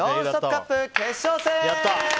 カップ決勝戦！